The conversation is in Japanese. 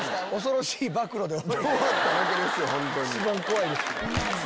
一番怖いですよ。